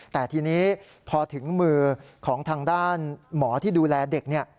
แต่ทีนี้พอถึงมือของทางด้านหมอที่ดูแลเด็กเนี่ย